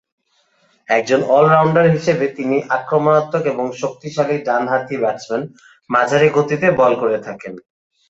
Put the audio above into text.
একজন অলরাউন্ডার হিসেবে তিনি আক্রমণাত্মক এবং শক্তিশালী ডান হাতি ব্যাটসম্যান, মাঝারি গতিতে বল করে থাকেন।